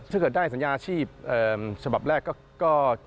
ถ้าเกิดได้สัญญาอาชีพฉบับแรกก็